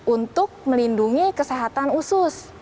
untuk melindungi kesehatan usus